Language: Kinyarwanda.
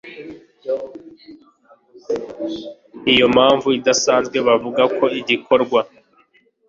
iyo mpamvu idasanzwe, bavuga ko igikorwa